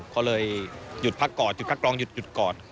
เขาเลยหยุดพักกอดหยุดคักกรองหยุดกอด